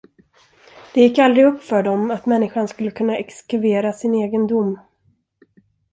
Det gick aldrig upp för dem att människan skulle kunna exekvera sin egen dom.